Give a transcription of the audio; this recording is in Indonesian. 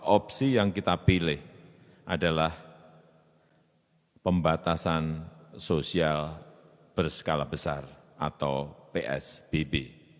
opsi yang kita pilih adalah pembatasan sosial berskala besar atau psbb